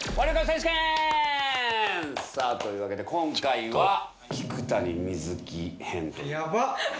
さあというわけで今回は。